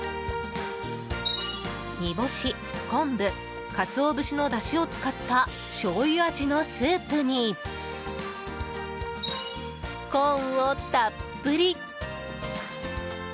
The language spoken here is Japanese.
煮干し、昆布、かつお節のだしを使ったしょうゆ味のスープにコーンをたっぷり。